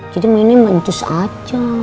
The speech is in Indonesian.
jadi mainnya mentus aja